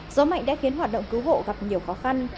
gió mạnh đã khiến hoạt động cứu hộ gặp nhiều khó khăn